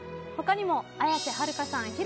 他にも綾瀬はるかさん